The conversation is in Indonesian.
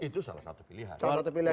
itu salah satu pilihan